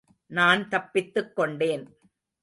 நான் தப்பித்துக் கொண்டேன்.